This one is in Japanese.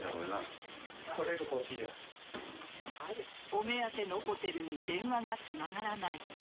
お目当てのホテルに電話がつながらない。